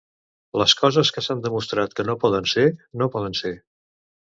Les coses que s'han demostrat que no poden ser, no poden ser.